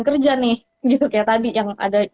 kerja nih gitu kayak tadi yang ada